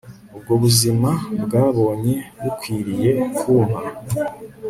Ubwo buzima bwabonye bukwiriye kumpa